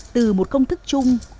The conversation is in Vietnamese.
từ một công thức chung